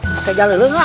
pake jalelu gak